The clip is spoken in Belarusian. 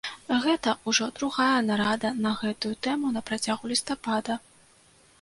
Гэта ўжо другая нарада на гэтую тэму на працягу лістапада.